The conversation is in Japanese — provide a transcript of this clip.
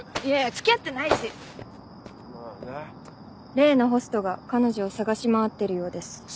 例のホストが彼女を捜し回ってるようです。